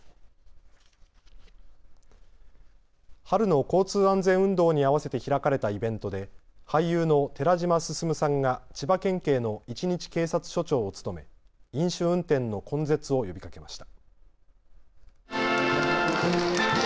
春の交通安全運動に合わせて開かれたイベントで俳優の寺島進さんが千葉県警の１日警察署長を務め飲酒運転の根絶を呼びかけました。